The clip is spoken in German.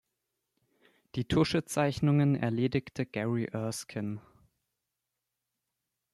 Die Tuschezeichnungen erledigte Gary Erskine.